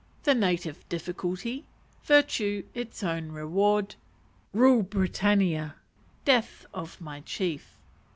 The Native Difficulty. Virtue its own Reward. Rule, Britannia. Death of my Chief.